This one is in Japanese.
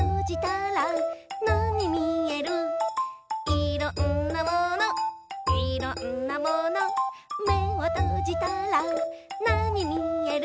「いろんなものいろんなもの」「めをとじたらなにみえる？